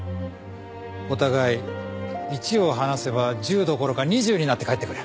お互い１を話せば１０どころか２０になって返ってくる。